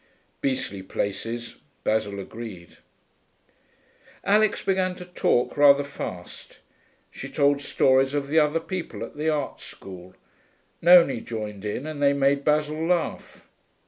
'Beastly places,' Basil agreed. Alix began to talk, rather fast. She told stories of the other people at the art school; Nonie joined in, and they made Basil laugh.